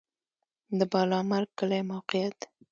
د بالامرګ کلی موقعیت